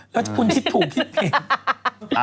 แล้วจริงคุณคิดถูกคิดลัง